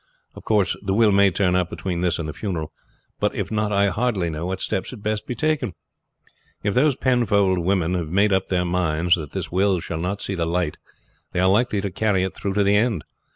Of course the will may turn up between this and the funeral; but if not I hardly know what steps had best be taken. If those Penfold women have made up their minds that this will shall not see the light they are likely to carry it through to the end.